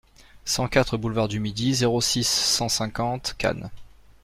cent quatre boulevard du Midi, zéro six, cent cinquante Cannes